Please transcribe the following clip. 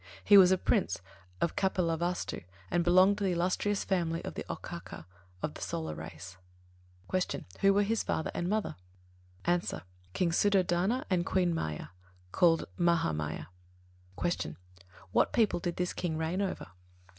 He was Prince of Kapilavāstu and belonged to the illustrious family of the Okkāka, of the Solar race. 15. Q. Who were his father and mother? A. King Suddhodana and Queen Māyā, called Mahā Māyā. 16. Q. _What people did this King reign over?